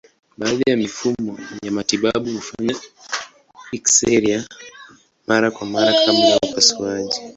Baadhi ya mifumo ya matibabu hufanya eksirei mara kwa mara kabla ya upasuaji.